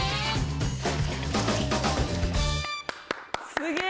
すげえ！